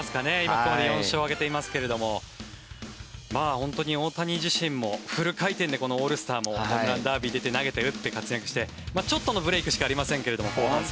ここまで４勝を挙げていますが本当に大谷自身もフル回転でこのオールスターもホームランダービー出て投げて打って活躍してちょっとのブレークしかありませんが、後半戦。